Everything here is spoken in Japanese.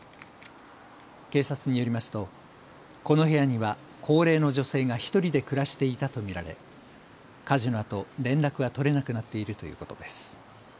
警察によりますとこの部屋には高齢の女性が１人で暮らしていたと見られ火事のあと連絡が取れなくなっているということです。